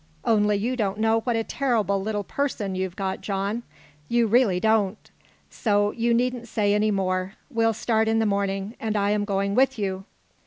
Only you don't know what a terrible little person you've got, John. You really don't. So you needn't say any more. We'll start in the morning and I am going with you!"